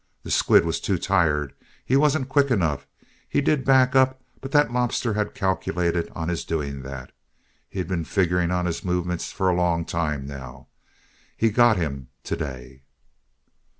The squid was too tired. He wasn't quick enough. He did back up, but that lobster he calculated on his doing that. He's been figuring on his movements for a long time now. He got him to day."